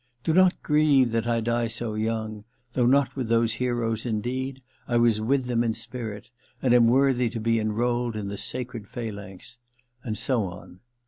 Do not grieve that I die so young ... though not with those heroes in deed I was with them in spirit, and am worthy to be enrolled in the sacred phalanx ...' and so on.